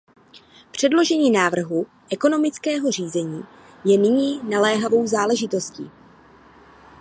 Předložení návrhu ekonomického řízení je nyní naléhavou záležitostí.